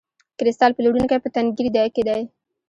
کریستال پلورونکی په تنګیر کې دی.